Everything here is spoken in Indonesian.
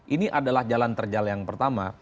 ini adalah jalan terjal yang pertama